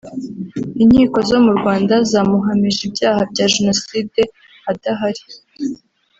Inkiko zo mu Rwanda zamuhamije ibyaha bya Jenoside adahari